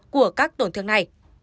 của các tổn thương này